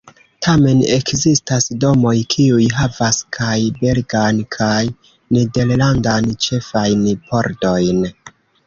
Tamen ekzistas domoj, kiuj havas kaj belgan kaj nederlandan ĉefajn pordojn.